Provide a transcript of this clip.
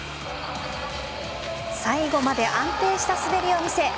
最後まで安定した滑りを見せ